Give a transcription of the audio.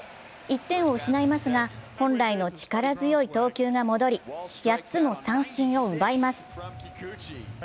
１点を失いますが、本来の力強い投球が戻り８つの三振を奪います。